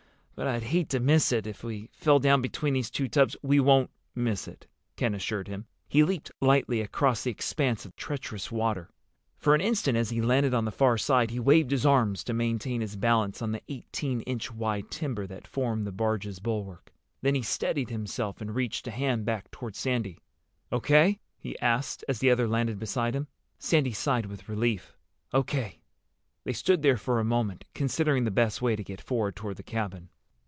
"But I'd hate to miss it. If we fell down between these two tubs—" "We won't miss it," Ken assured him. He leaped lightly across the expanse of treacherous water. For an instant, as he landed on the far side, he waved his arms to maintain his balance on the eighteen inch wide timber that formed the barge's bulwark. Then he steadied himself and reached a hand back toward Sandy. "O.K.?" he asked, as the other landed beside him. Sandy sighed with relief. "O.K." They stood there for a moment, considering the best way to get forward toward the cabin.